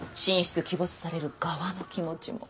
鬼没される側の気持ちも。